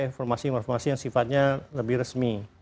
informasi informasi yang sifatnya lebih resmi